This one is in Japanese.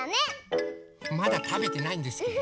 まだたべてないんですけど。